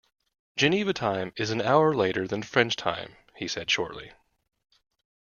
"Geneva time is an hour later than French time," he said shortly.